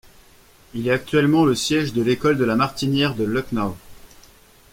Il est actuellement le siège de l'école de La Martinière de Lucknow.